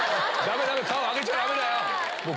顔上げちゃダメだよ！